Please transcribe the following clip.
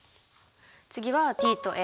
次はＴとＡ。